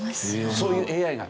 そういうＡＩが。